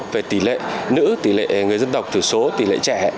về tỷ lệ nữ tỷ lệ người dân tộc thiểu số tỷ lệ trẻ